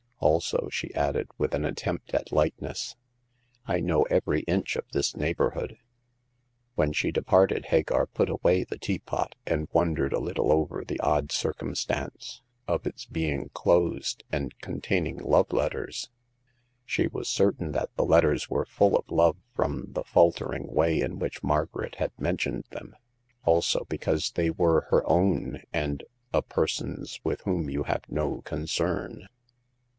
Also," she added, with an attempt at lightness, " I know every inch of this neighborhood." When she departed Hagar put away the teapot, and wondered a little over the odd circumstance 158 Hagar of the Pawn Shop. of it being closed, and containing love letters. She was certain that the letters were full of love from the faltering way in which Margaret had mentioned them ; also because they were her own and " a person's with whom you have no concern."